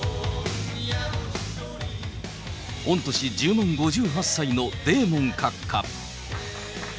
御年１０万５８歳のデーモン閣下。